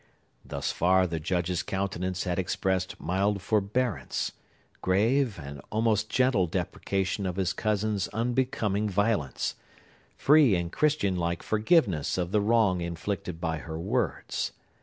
Thus far the Judge's countenance had expressed mild forbearance,—grave and almost gentle deprecation of his cousin's unbecoming violence,—free and Christian like forgiveness of the wrong inflicted by her words.